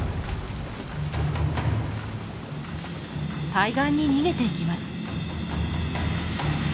対岸に逃げていきます。